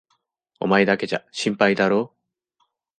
お前だけじゃ心配だろう？